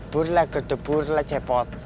burur lah gede burur lah cepot